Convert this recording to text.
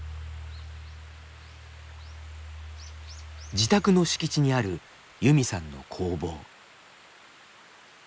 自宅の敷地にあるユミさんの工房。